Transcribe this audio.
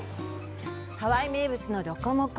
ハワイ名物のロコモコ。